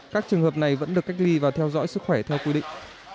các trường hợp này vẫn được cách ly và theo dõi sức khỏe theo quy định